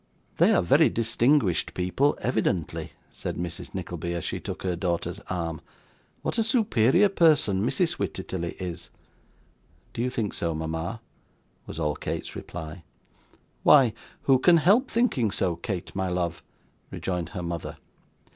'They are very distinguished people, evidently,' said Mrs. Nickleby, as she took her daughter's arm. 'What a superior person Mrs. Wititterly is!' 'Do you think so, mama?' was all Kate's reply. 'Why, who can help thinking so, Kate, my love?' rejoined her mother.